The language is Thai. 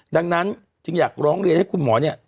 ดังนั้นจึงอยากร้องเรียนให้คุณหมอเนี่ย